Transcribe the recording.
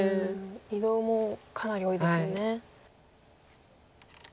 移動もかなり多いですよね。